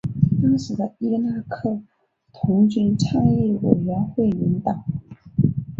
当时的伊拉克童军倡议委员会领导。